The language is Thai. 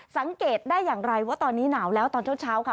สังเกตได้อย่างไรว่าตอนนี้หนาวแล้วตอนเช้าค่ะ